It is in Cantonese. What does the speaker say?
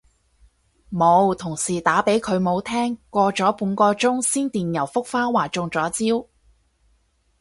冇，同事打畀佢冇聽，過咗半個鐘先電郵覆返話中咗招